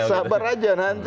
sabar aja nanti